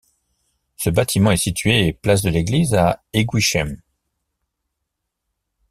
Ce bâtiment est situé place de l'Église à Eguisheim.